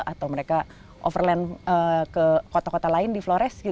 atau mereka overland ke kota kota lain di flores